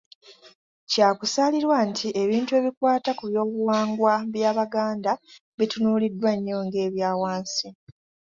Kya kusaalirwa nti ebintu ebikwata ku Byobuwangwa by’Abaganda bitunuuliddwa nnyo ng’ebya wansi!